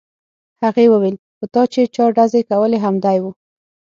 هغې وویل په تا چې چا ډزې کولې همدی و